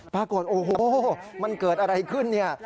ปรากฏโอ้โหมันเกิดอะไรขึ้นเนี่ย